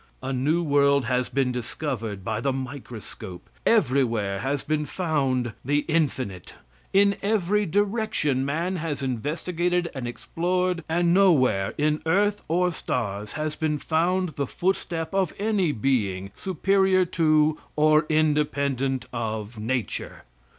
A new world has been discovered by the microscope; everywhere has been found the infinite; in every direction man has investigated and explored, and nowhere, in earth or stars, has been found the footstep of any being superior to or independent of nature.